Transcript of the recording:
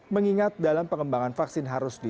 mengingat dalam pengembangan vaksin harus di